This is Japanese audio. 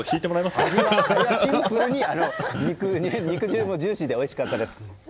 シンプルに肉汁がジューシーでおいしかったです。